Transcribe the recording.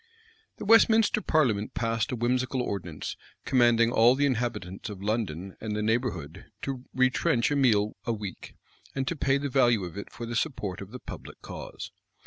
The Westminster parliament passed a whimsical ordinance, commanding all the inhabitants of London and the neighborhood to retrench a meal a week, and to pay the value of it for the support of the public cause.